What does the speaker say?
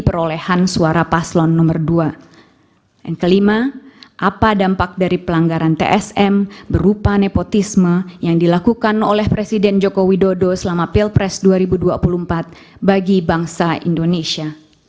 pertama apakah mahkamah konstitusi berwenang untuk memeriksa pelanggaran tsm berupa nepotisme yang dilakukan oleh presiden joko widodo selama pilpres dua ribu dua puluh empat bagi bangsa indonesia